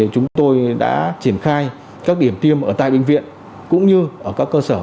chúng tôi đã triển khai các điểm tiêm ở tại bệnh viện cũng như ở các cơ sở